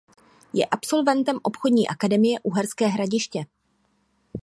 Je absolventem Obchodní akademie Uherské Hradiště.